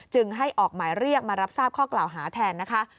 จึงให้ออกหมายเรียกมารับทราบข้อกล่าวหาแทนนะคะ